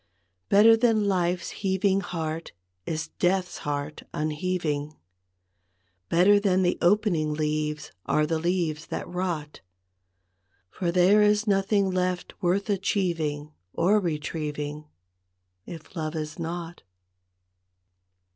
III. Better than life's heaving heart is death's heart un¬ heaving, Better than the opening leaves are the leaves that rot, For there is nothing left worth achieving or retrieving, If love is not.